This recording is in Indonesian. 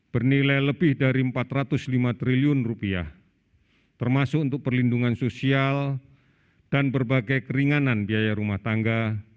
bernilai lebih dari rp empat ratus lima triliun termasuk untuk perlindungan sosial dan berbagai keringanan biaya rumah tangga